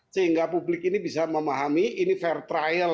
sehingga publik ini bisa memahami ini fair trial